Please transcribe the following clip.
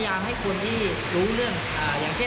ก็คืองานหลักของพวกเรา